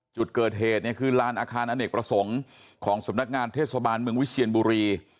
จุดเกิดเหตุเนี่ยคือลานอาคารอเนกประสงค์ของสำนักงานเทศบาลเมืองวิเชียนบุรี